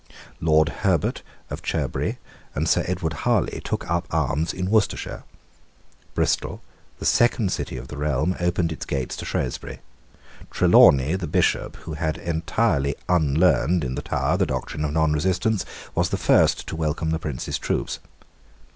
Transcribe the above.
Lord Herbert of Cherbury and Sir Edward Harley took up arms in Worcestershire. Bristol, the second city of the realm, opened its gates to Shrewsbury. Trelawney, the Bishop, who had entirely unlearned in the Tower the doctrine of nonresistance, was the first to welcome the Prince's troops.